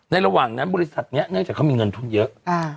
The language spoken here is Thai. ระหว่างนั้นบริษัทนี้เนื่องจากเขามีเงินทุนเยอะ